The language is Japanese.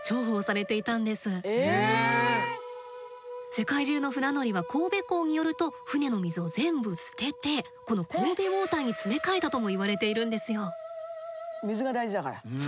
世界中の船乗りは神戸港に寄ると船の水を全部捨ててこの神戸ウォーターに詰め替えたともいわれているんですよ。